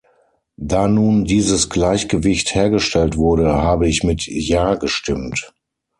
Da nun dieses Gleichgewicht hergestellt wurde, habe ich mit Ja gestimmt.